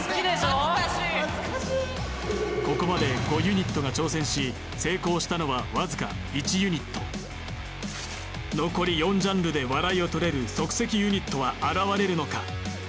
恥ずかしいここまで５ユニットが挑戦し成功したのはわずか１ユニット残り４ジャンルで笑いを取れる即席ユニットは現れるのか？